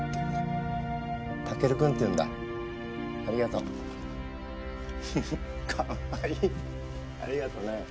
ありがとね。